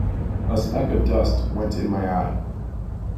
A spec of dust went in my eye.